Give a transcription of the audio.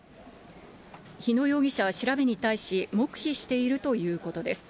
日野容疑者は調べに対し、黙秘しているということです。